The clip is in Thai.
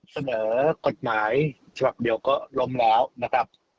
เสนอกฎหมายฉบับเดียวก็ล้มแล้วนะครับ